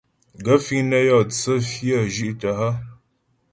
Gaə̂ fíŋ nə́ yó tsə́ fyə́ zhí'tə́ hə́ ?